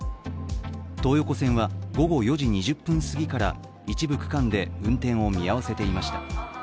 東横線は午後４時２０分すぎから一部区間で運転を見合わせていました。